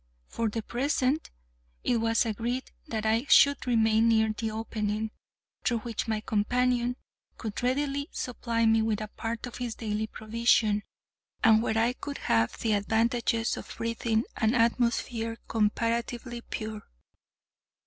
For the present, it was agreed that I should remain near the opening, through which my companion could readily supply me with a part of his daily provision, and where I could have the advantages of breathing an atmosphere comparatively pure.